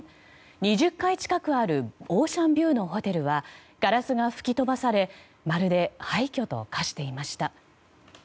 ２０階近くあるオーシャンビューのホテルはガラスが吹き飛ばされまるで廃虚と化していました。